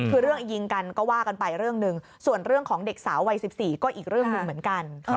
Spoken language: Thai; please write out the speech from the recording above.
คือเรื่องยิงกันก็ว่ากันไปเรื่องหนึ่งส่วนเรื่องของเด็กสาววัย๑๔ก็อีกเรื่องหนึ่งเหมือนกัน